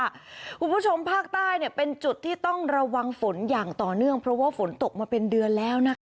คุณผู้ชมภาคใต้เนี่ยเป็นจุดที่ต้องระวังฝนอย่างต่อเนื่องเพราะว่าฝนตกมาเป็นเดือนแล้วนะคะ